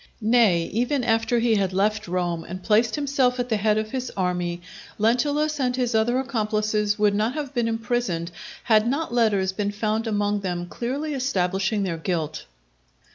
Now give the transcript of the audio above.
Nay, even after he had left Rome and placed himself at the head of his army, Lentulus and his other accomplices would not have been imprisoned, had not letters been found upon them clearly establishing their guilt.